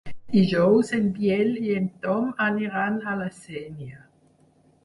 Dijous en Biel i en Tom aniran a la Sénia.